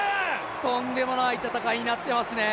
とんでもない戦いになってますね。